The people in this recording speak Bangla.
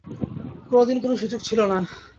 কোনদিন কোন সুযোগ ছিল না।